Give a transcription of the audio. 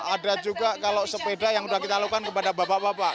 ada juga kalau sepeda yang sudah kita lakukan kepada bapak bapak